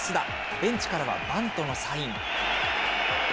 ベンチからはバントのサイン。